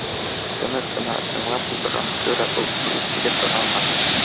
Тыныс ҡына тыңлап ултырған Флүрә был юлы түҙеп тора алманы: